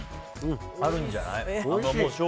あるんじゃない？